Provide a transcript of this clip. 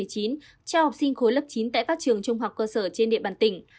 cho học sinh khối lớp chín tại các trường trung học cơ sở trên địa bàn tỉnh